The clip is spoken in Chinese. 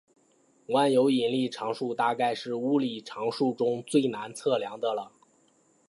万有引力常数大概是物理常数中最难测量的了。